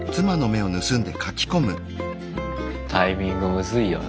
タイミングムズいよな。